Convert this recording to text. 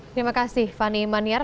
terima kasih fanny maniar